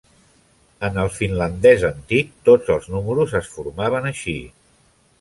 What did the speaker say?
En el finlandès antic, tots els números es formaven així.